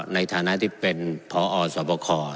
ในฐานะที่เป็นหัวหน้าสวบคร